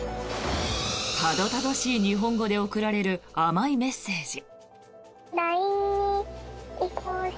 たどたどしい日本語で送られる甘いメッセージ。